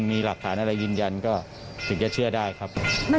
มีหลักฐานอะไรยืนยันก็ถึงจะเชื่อได้ครับ